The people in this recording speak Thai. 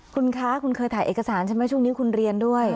คุณคะคุณเคยถ่ายเอกสารใช่ไหมช่วงนี้คุณเรียนด้วย